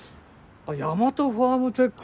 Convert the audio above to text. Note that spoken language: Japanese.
あっヤマトファームテック。